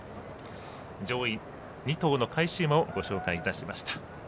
上位２頭の返し馬をご紹介いたしました。